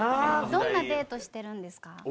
どんなデートしてるんですか？